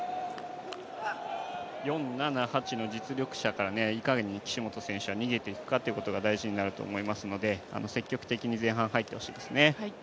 ４、７、８の実力者からいかに岸本選手は逃げていくかということが大事になると思いますので、積極的に前半入ってほしいですね。